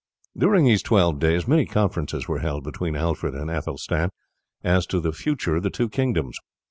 During these twelve days many conferences were held between Alfred and Athelstan as to the future of the two kingdoms.